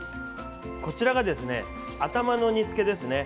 こちらが頭の煮つけですね。